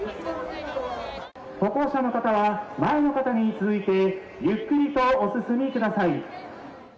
歩行者の方は前の方に続いてゆっくりとお進みください。